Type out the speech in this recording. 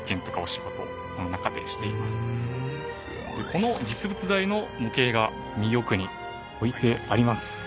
この実物大の模型が右奥に置いてあります。